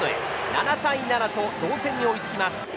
７対７と同点に追いつきます。